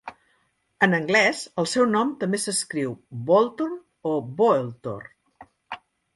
En anglès, el seu nom també s'escriu "Bolthorn" o "Boelthor".